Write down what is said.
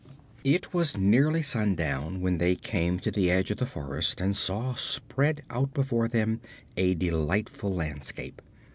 It was nearly sundown when they came to the edge of the forest and saw spread out before them a delightful landscape.